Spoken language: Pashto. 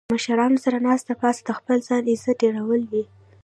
د مشرانو سره ناسته پاسته د خپل ځان عزت ډیرول وي